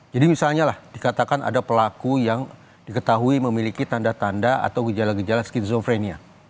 jadi misalnya lah dikatakan ada pelaku yang diketahui memiliki tanda tanda atau gejala gejala skizofrenia